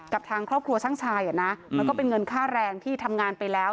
กับทางครอบครัวช่างชายมันก็เป็นเงินค่าแรงที่ทำงานไปแล้ว